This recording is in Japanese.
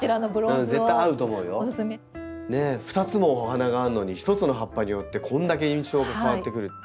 ２つもお花があるのに１つの葉っぱによってこれだけ印象が変わってくる。